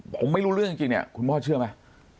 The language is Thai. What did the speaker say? ผมไม่รู้เรื่องจริงเนี่ยคุณพ่อเชื่อไหม